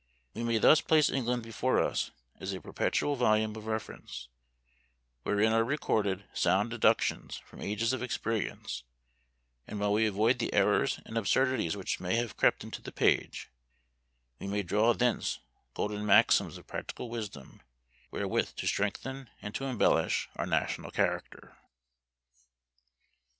We may thus place England before us as a perpetual volume of reference, wherein are recorded sound deductions from ages of experience; and while we avoid the errors and absurdities which may have crept into the page, we may draw thence golden maxims of practical wisdom, wherewith to strengthen and to embellish our national character.